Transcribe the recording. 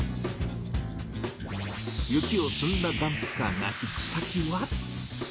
雪を積んだダンプカーが行く先は。